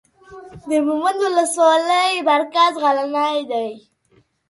د مومند اولسوالۍ مرکز غلنۍ دی.